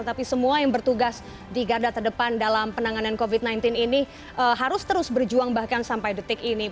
tapi semua yang bertugas di garda terdepan dalam penanganan covid sembilan belas ini harus terus berjuang bahkan sampai detik ini